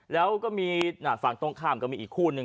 แล้วก็มีฝั่งตรงข้ามก็มีอีกคู่นึง